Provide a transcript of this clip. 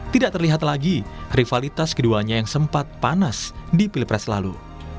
tidak terlihat lagi rivalitas keduanya yang sempat panas di pilpres lalu